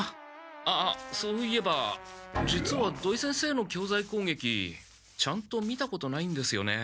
あそういえば実は土井先生の教材攻撃ちゃんと見たことないんですよね。